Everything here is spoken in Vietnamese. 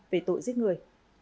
về tội giết người